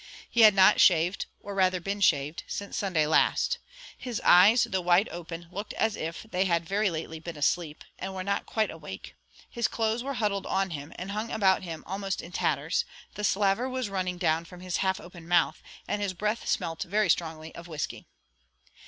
He had not shaved, or rather been shaved, since Sunday last; his eyes, though wide open, looked as if they had very lately been asleep, and were not quite awake; his clothes were huddled on him, and hung about him almost in tatters; the slaver was running down from his half open mouth, and his breath smelt very strongly of whiskey.